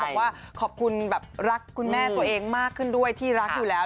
บอกว่าขอบคุณแบบรักคุณแม่ตัวเองมากขึ้นด้วยที่รักอยู่แล้ว